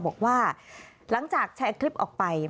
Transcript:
บอกว่าหลังจากแชร์คลิปออกไป